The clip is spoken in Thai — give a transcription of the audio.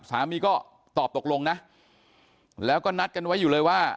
สามีก็ตอบตกลงนะแล้วก็นัดกันไว้อยู่เลยว่า